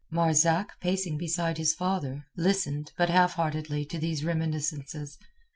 Marzak, pacing beside his father, listened but half heartedly to these reminiscences.